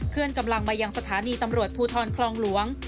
กำลังมายังสถานีตำรวจภูทรคลองหลวง